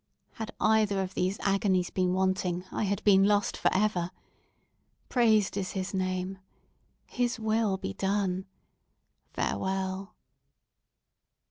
Had either of these agonies been wanting, I had been lost for ever! Praised be His name! His will be done! Farewell!"